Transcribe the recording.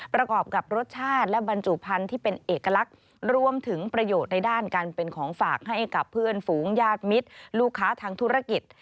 ประกอบกับรสชาติและบรรจุพันธุ์ที่เป็นเอกลักษณ์รวมถึงประโยชน์ในด้านการเป็นของฝากให้กับเพื่อนฝูงญาติมิตรลูกค้าทางธุรกิจ